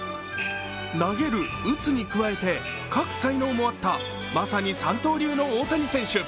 投げる、打つに加えて描く才能もあったまさに三刀流の大谷選手。